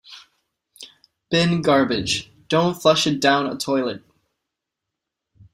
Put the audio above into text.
Bin garbage, don't flush it down a toilet.